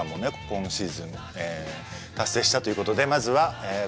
今シーズン達成したということでまずは小早川さん